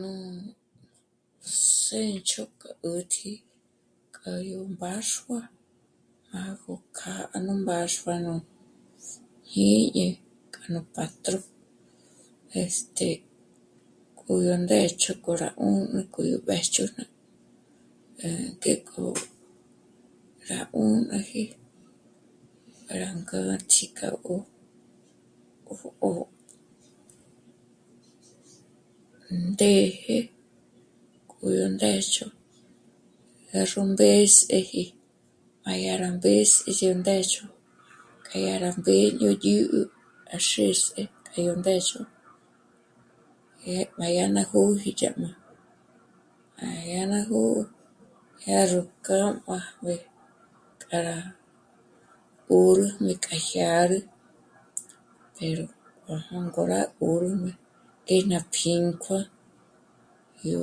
Nú sénch'o k'a 'ä̀tji k'a yó mbáxua má gó kjâ'a nú mbáxua nú jñíñi k'a nú pa'tro, este..., k'o yó ndéch'o k'o rá 'ùnü k'o rá mbéjchujn'ü à ngék'o rá 'ùmbaji para ngâtji k'a 'ó, 'ó, 'ó ndéje k'o yó ndéch'o dyá ró mběs'eji, má dyá rá mběs'e yó ndéch'o k'a yá rá mbéño ñä́'ä à xés'e k'a yó ndéch'o. Dyá má yá ná jó'oji dyá má, má dyá ná gò'o dyá ró kjâ'a màjmé k'a rá 'ö́rüjmé k'a jyârü pero má jângo rá 'ö́rüjmé ngé ná pjínkua'a, yó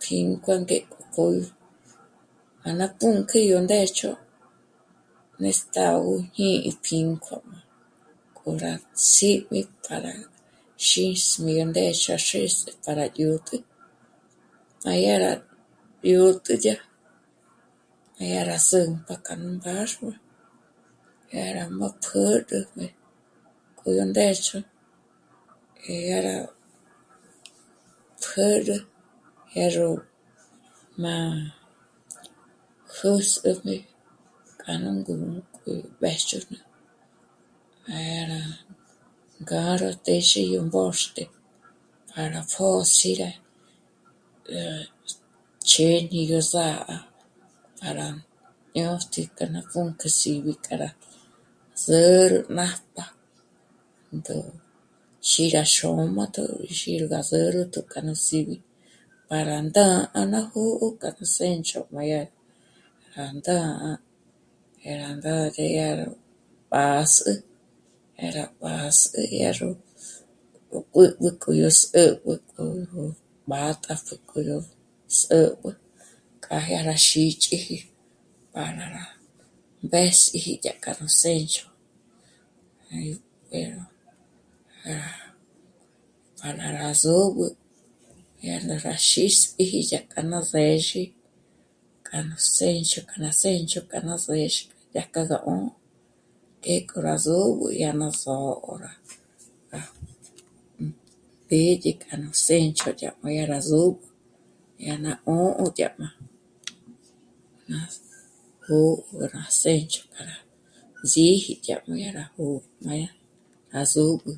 pjínkua'a ngék'o 'ó yá ná pǔnk'ü ndé yó ndéch'o nestágo jñí'i pjínkuá'a má, k'o rá ts'í'mi pa xîs'mi ndéch'o à xés'e para dyä̀t'ä. Má dyá rá dyä̀t'ä yá, dyá k'a rá sü̂nk'a yá nú mbáxua, yá rá má pjǚrüjmé k'o yó ndéch'o e dyá rá pjǚrü, dyá ró mâ'a jä̌s'üjmé k'a nú ngǔm'ü k'o yó mbéjchujn'ü. Má dyá rá ngára téxe yó mbóxte para pjö̌s'i rá... chêñi yó sà'a para jñátji k'a ná pǔnk'ü síbi k'a rá zǚrü nájp'a ndó xí rá xôm'atjo ndä́'ä xí rá zǚrütjo k'a rá síbi para ndá'a ná jó'o k'a nú sénch'o má dyá... rá ndá'a, dyá rá ndá'a dyá ró pǎs'ü, dyá rá pǎs'ü dyá ró 'ó b'ǚb'ü k'o yó s'ä̌b'ä k'o, 'ó, b'átàpjü yó s'ä̌b'ä k'a dyá rá xíchiji para ná rá mbés'iji dyá k'a nú sénch'o, pero, para rá sôb'ü dyá ndára xísjiji dyá k'a ná së̌zhi k'a nú sénch'o k'a ná sénch'o k'a ná së̌zhi dyá k'a gá 'ṓ'ō, té'e k'o rá sö́b'ü dyá ná só'o, dyá ná só'o pédye k'a nú sénch'o dyá má dyá rá sö́b'ü, dyá ná 'ṓ'ō dyá ná jó'o 'o ná sénch'o k'a ná zíji dyá má dyá rá jó'o má dyá rá sö́b'ü